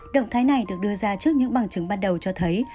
động thái này được đưa ra trước những bằng chứng ban đầu cho thấy